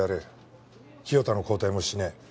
清田の交代もしない。